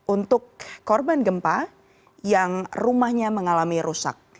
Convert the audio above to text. untuk korban gempa yang rumahnya mengalami rusak